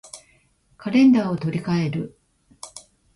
カレンダーを取り換える